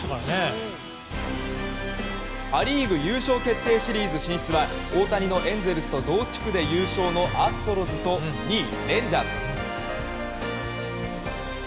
ア・リーグ優勝決定シリーズ進出は大谷のエンゼルスと同地区で優勝のアストロズと２位、レンジャーズ。